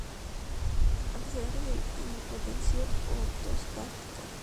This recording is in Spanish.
Antecedentes de hipotensión ortostática.